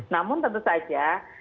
namun tentu saja